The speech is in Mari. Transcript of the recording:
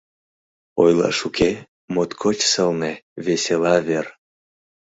Ойлаш уке, моткоч сылне, весела вер.